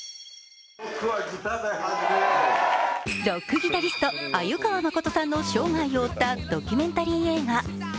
ロックギタリスト・鮎川誠さんの生涯を追ったドキュメンタリー映画。